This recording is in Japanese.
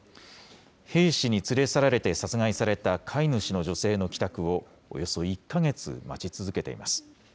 兵士に連れ去られて殺害された飼い主の女性の帰宅をおよそ１か月待ち続けています。